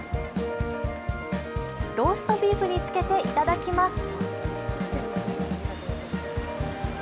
ローストビーフにつけて頂きます。